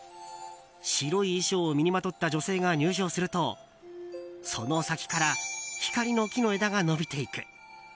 白い衣装を身にまとった女性が入場するとその先から光の木の枝が伸びていく。